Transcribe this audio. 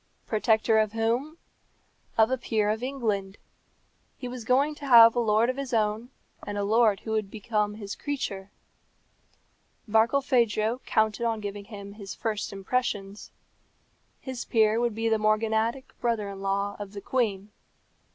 Protector of whom? Of a peer of England. He was going to have a lord of his own, and a lord who would be his creature. Barkilphedro counted on giving him his first impressions. His peer would be the morganatic brother in law of the queen.